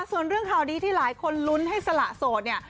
ส่วนเรื่องข่าวดีที่หลายคนลุ้นให้สละโสดเนี่ย